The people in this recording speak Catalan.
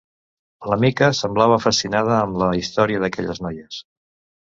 La Mica semblava fascinada amb la història d'aquelles noies.